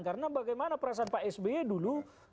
karena bagaimana perasaan pak sby dulu